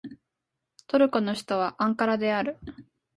トルコの首都はアンカラである